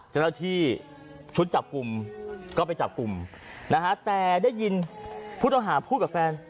เจ้าหน้าที่ชุดจับกลุ่มก็ไปจับกลุ่มนะฮะแต่ได้ยินผู้ต้องหาพูดกับแฟน